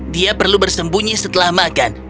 dia perlu bersembunyi setelah makan